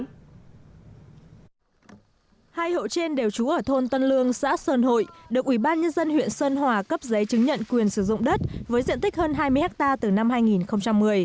hai hộ trên đều trú ở thôn tân lương xã sơn hội được ubnd huyện sơn hòa cấp giấy chứng nhận quyền sử dụng đất với diện tích hơn hai mươi hectare từ năm hai nghìn một mươi